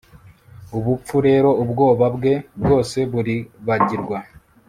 Ubupfu rero ubwoba bwe bwose buribagirwa